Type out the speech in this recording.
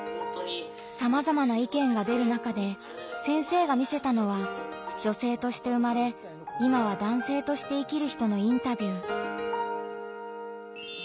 さまざまな意見が出る中で先生が見せたのは女性として生まれ今は男性として生きる人のインタビュー。